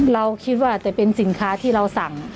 เราคิดว่าแต่เป็นสินค้าที่เราสั่ง